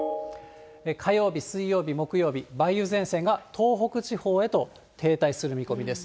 火曜日、水曜日、木曜日、梅雨前線が東北地方へと停滞する見込みです。